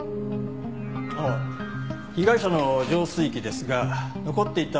ああ被害者の浄水器ですが残っていた